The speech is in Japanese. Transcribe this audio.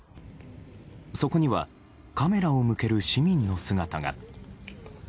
そこにはカメラを向ける市民の姿が。